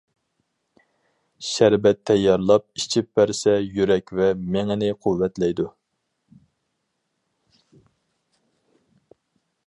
شەربەت تەييارلاپ ئىچىپ بەرسە يۈرەك ۋە مېڭىنى قۇۋۋەتلەيدۇ.